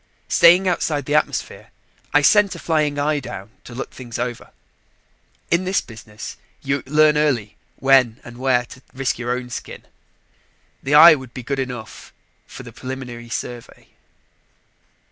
Staying outside the atmosphere, I sent a flying eye down to look things over. In this business, you learn early when and where to risk your own skin. The eye would be good enough for the preliminary survey.